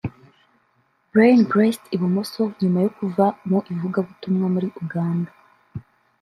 Brian Blessed (ibumoso) nyuma yo kuva mu ivugabutumwa muri Uganda